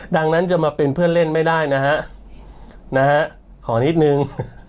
ดังนั้นจะมาเป็นเพื่อนเล่นไม่ได้นะฮะนะฮะขอนิดนึง